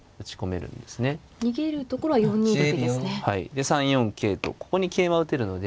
で３四桂とここに桂馬打てるので。